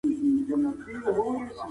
هغوی پر ټاکلي وخت کار پای ته رسولی.